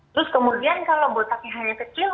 terus kemudian kalau botaknya hanya kecil